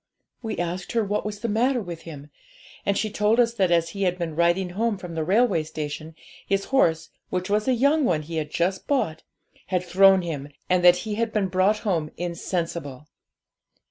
We asked her what was the matter with him, and she told us that as he had been riding home from the railway station, his horse, which was a young one he had just bought, had thrown him, and that he had been brought home insensible.